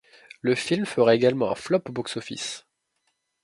Le film fera également un flop au box-office.